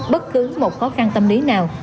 bất cứ một khó khăn tâm lý nào